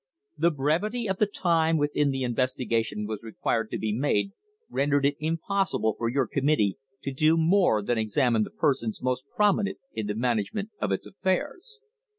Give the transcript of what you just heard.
"The brevity of the time within which the investigation was required to be made rendered it impossible for your committee to do more than examine the persons most prominent in the management of its affairs.